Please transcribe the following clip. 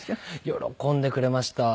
喜んでくれました。